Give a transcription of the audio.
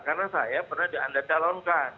karena saya pernah dianda talonkan